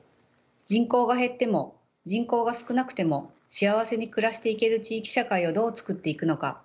人口が減っても人口が少なくても幸せに暮らしていける地域社会をどうつくっていくのか。